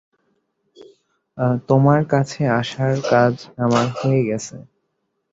তোমার কাছে আসার কাজ আমার হয়ে গেছে।